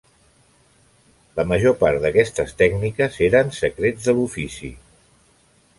La major part d'aquestes tècniques eren secrets de l'ofici.